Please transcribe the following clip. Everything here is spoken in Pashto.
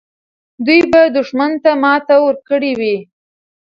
دوی به دښمن ته ماتې ورکړې وي.